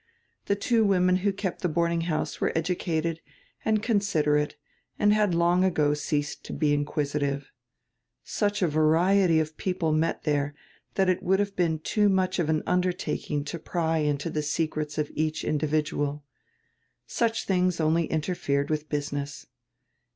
The two women who kept the boarding house were educated and considerate and had long ago ceased to be inquisitive. Such a variety of people met tiiere diat it w r ould have been too much of an undertaking to pry into die secrets of each individual. Such tilings only interfered with business.